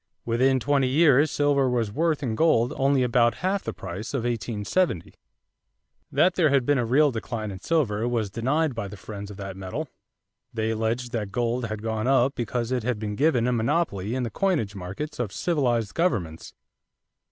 Within twenty years silver was worth in gold only about half the price of 1870. That there had been a real decline in silver was denied by the friends of that metal. They alleged that gold had gone up because it had been given a monopoly in the coinage markets of civilized governments.